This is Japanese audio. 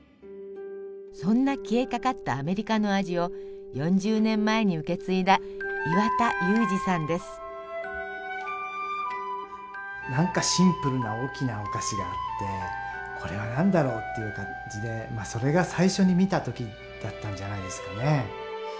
そんな消えかかったアメリカの味を４０年前に受け継いだ何かシンプルな大きなお菓子があって「これは何だろう？」という感じでそれが最初に見た時だったんじゃないですかね。